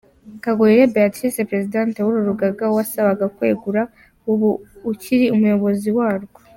Kagoyire Beatrice Presidente w’uru rugaga wasabwaga kwegura, ubu ukiri umuyobozi warwo.